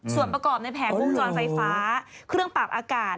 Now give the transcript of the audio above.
ส่วนประกอบในแผงวงจรไฟฟ้าเครื่องปรับอากาศ